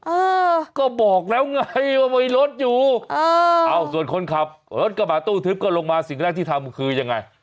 เออก็บอกแล้วไงว่ามีรถอยู่เออเอาส่วนคนขับรถกระบะตู้ทึบก็ลงมาสิ่งแรกที่ทำคือยังไง